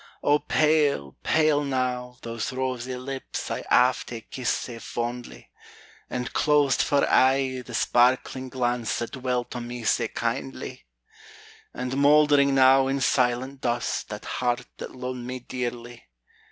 Oh pale, pale now, those rosy lips I aft hae kissed sae fondly! And closed for aye the sparkling glance That dwelt on me sae kindly! And mould'ring now in silent dust That heart that lo'ed me dearly!